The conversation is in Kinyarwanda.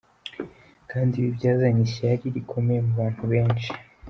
Kandi ibi byazanye ishyari rikomeye mu bantu benshi.